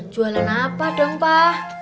jualan apa dong pak